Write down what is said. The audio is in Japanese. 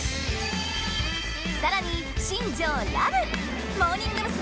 更に新庄ラブモーニング娘。